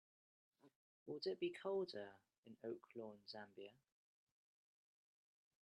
Will it be colder in Oaklawn Zambia?